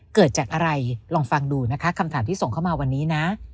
เกิดจากอะไรลองฟังดูนะคะคำถามที่ส่งเข้ามาวันนี้นะ